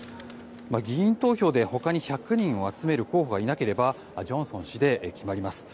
議員投票で他に１００人を集める候補がいなければジョンソン氏で決まります。